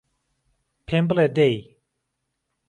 پێم بڵێ دەی